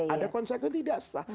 ada konsekuensi tidak sah